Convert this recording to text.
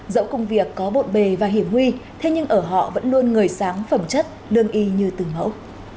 dẫu công việc có bộn bề và hiểm nguy thế nhưng ở họ vẫn luôn người sáng phẩm chất lương y như từng mẫu